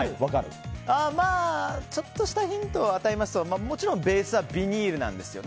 まあちょっとしたヒントを与えますともちろんベースはビニールなんですよ。